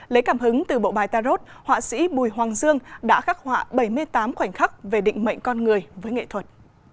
lấy cảm hứng từ bộ bài tarot họa sĩ bùi hoàng dương đã khắc họa bảy mươi tám khoảnh khắc về định mệnh con người với nghệ thuật